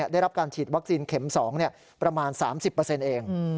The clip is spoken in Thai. ได้รับการฉีดวัคซีนเข็ม๒ประมาณ๓๐เอง